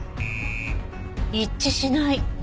一致しない。